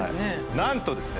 なんとですね